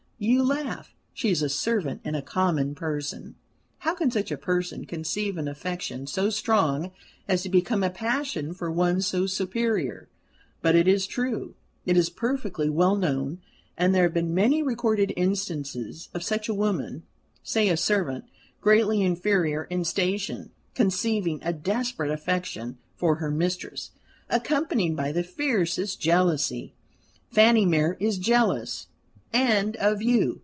You laugh. She is a servant, and a common person. How can such a person conceive an affection so strong as to become a passion for one so superior? But it is true. It is perfectly well known, and there have been many recorded instances of such a woman, say a servant, greatly inferior in station, conceiving a desperate affection for her mistress, accompanied by the fiercest jealousy. Fanny Mere is jealous and of you.